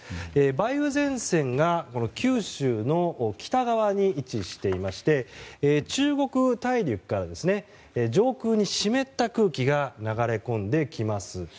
梅雨前線が九州の北側に位置していまして中国大陸から上空に湿った空気が流れ込んできます。